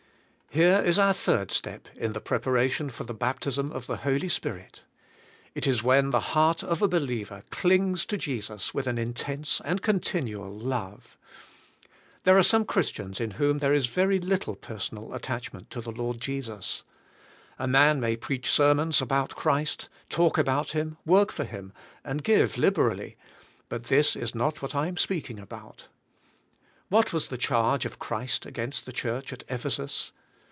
Here is our third step in the preparation for the baptism of the Holy Spirit. It is when the heart of a believer clings to Jesus with an intense and con tinual love. There are some Christians in whom there is very little personal attachment to the Lord Jesus. ^ man may preach sermons about Christ, talk about him, work for Him, and give liberally, but this is not what I am speaking about. What was the charge of Christ against the church at Ephesus?